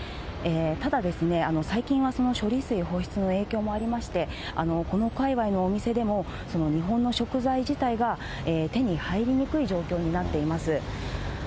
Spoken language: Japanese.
ただ、最近はその処理水放出の影響もありまして、この界わいのお店でも、日本の食材自体が手に入りにくい状況になっています。